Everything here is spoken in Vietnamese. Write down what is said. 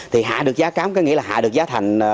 thì hạ được giá cám có nghĩa là hạ được giá thành